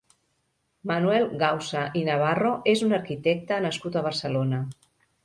Manuel Gausa i Navarro és un arquitecte nascut a Barcelona.